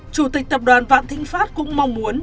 chủ tịch tập đoàn vạn thịnh pháp cũng mong muốn